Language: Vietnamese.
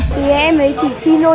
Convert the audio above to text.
thì em ấy chỉ xin thôi